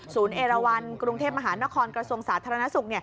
ศูนย์เอลวันกรุงเทพฯมหานครกระทรวงศาสตร์ธรรณสุข